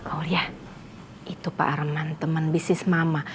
aulia itu pak arman teman bisnis mama